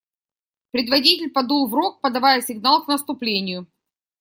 Предводитель подул в рог, подавая сигнал к наступлению.